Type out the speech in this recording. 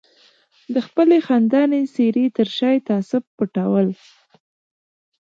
د خپلې خندانې څېرې تر شا یې تعصب پټول.